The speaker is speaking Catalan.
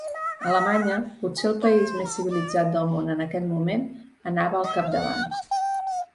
Alemanya, potser el país més civilitzat del món en aquest moment, anava al capdavant.